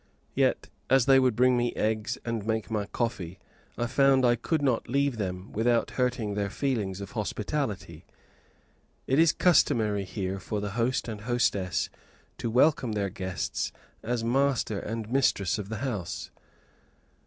Yet, as they would bring me eggs, and make my coffee, I found I could not leave them without hurting their feelings of hospitality. It is customary here for the host and hostess to welcome their guests as master and mistress of the house.